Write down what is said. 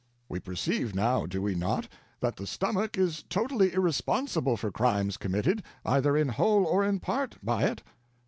We perceive now, do we not, that the stomach is totally irresponsible for crimes committed, either in whole or in part, by it?"